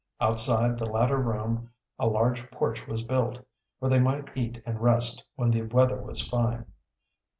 Outside the latter room a large porch was built, where they might eat and rest when the weather was fine.